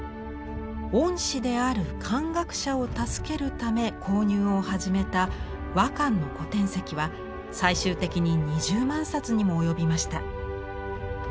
恩師である漢学者を助けるため購入を始めた和漢の古典籍は最終的に２０万冊にも及びました。